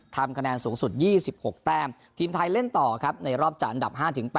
ทำคะแนนสูงสุด๒๖แต้มทีมไทยเล่นต่อครับในรอบจัดอันดับ๕๘